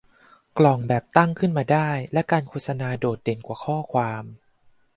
กล่องแบบตั้งขึ้นมาได้และการโฆษณาโดดเด่นกว่าข้อความ